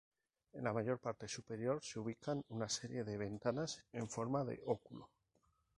En la parte superior se ubican una serie de ventanas en forma de óculo.